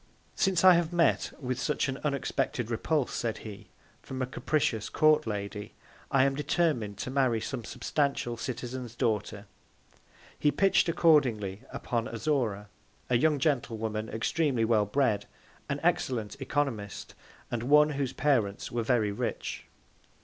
Since I have met with such an unexpected Repulse, said he, from a capricious Court Lady, I am determin'd to marry some substantial Citizen's Daughter. He pitch'd accordingly upon Azora, a young Gentlewoman extremely well bred, an excellent Oeconomist, and one, whose Parents were very rich.